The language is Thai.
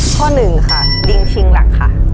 ข้อหนึ่งค่ะดิงชิงหลักค่ะ